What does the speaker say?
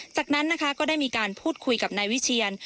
จากนั้นนะคะก็ได้มีการพูดคุยกับนายวิเชียน